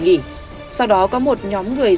nghỉ sau đó có một nhóm người